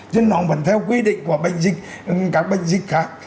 chứ nó vẫn theo quy định của bệnh dịch như các bệnh dịch khác